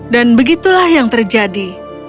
dan begitulah yang terjadi